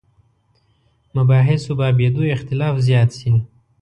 مباحثو بابېدو اختلاف زیات شي.